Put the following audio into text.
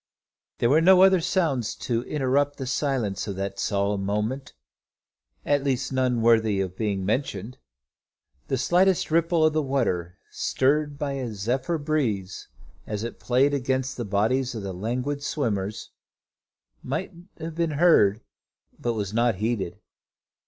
There were no other sounds to interrupt the silence of that solemn moment, at least none worthy of being mentioned. The slightest ripple of the water, stirred by a zephyr breeze, as it played against the bodies of the languid swimmers, might have been heard, but was not heeded.